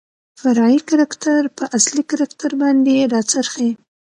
فرعي کرکتر په اصلي کرکتر باندې راڅرخي .